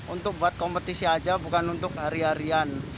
untuk buat kompetisi aja bukan untuk hari harian